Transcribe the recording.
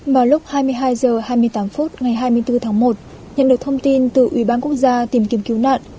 vào lúc hai mươi hai h hai mươi tám phút ngày hai mươi bốn tháng một nhận được thông tin từ ủy ban quốc gia tìm kiếm cứu nạn